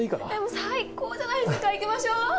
最高じゃないっすか行きましょう！